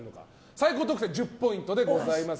最高得点は１０ポイントでございます。